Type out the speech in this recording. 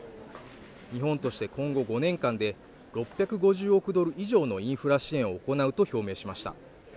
日本として今後５年間で６５０億ドル以上のインフラ支援を行うと表明しました。